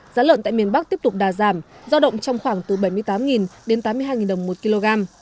giá lợn tại miền bắc tiếp tục đà giảm giao động trong khoảng từ bảy mươi tám đến tám mươi hai đồng một kg